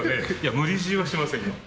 無理強いはしませんよ。